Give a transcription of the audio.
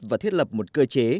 và thiết lập một cơ chế